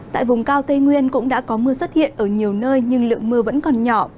tại vùng cao tây nguyên cũng đã có mưa xuất hiện ở nhiều nơi nhưng lượng mưa vẫn còn nhỏ